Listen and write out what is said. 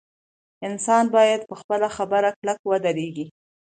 انسان باید په خپله خبره کلک ودریږي.